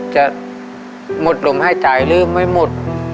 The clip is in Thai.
จะหมดลมหายใจหรือไม่หมด